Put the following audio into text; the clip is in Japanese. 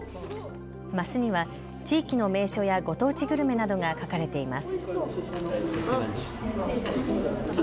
マスには地域の名所やご当地グルメなどが書かれています。